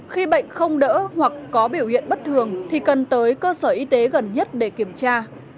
khi bệnh không đỡ hoặc có biểu hiện bất thường thì cần tới cơ sở y tế gần nhất để kiểm tra